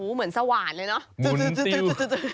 เหมือนสว่านเลยเนอะ